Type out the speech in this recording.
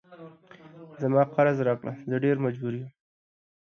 زما قرض راکړه زه ډیر مجبور یم